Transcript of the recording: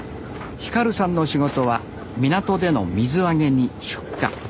輝さんの仕事は港での水揚げに出荷。